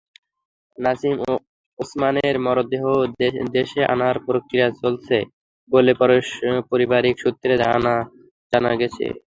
নাসিম ওসমানের মরদেহ দেশে আনার প্রক্রিয়া চলছে বলে পারিবারিক সূত্রে জানা গেছে।